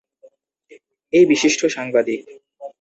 এই বিশিষ্ট সাংবাদিক।